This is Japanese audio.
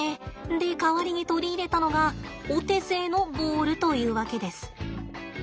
で代わりに取り入れたのがお手製のボールというわけです。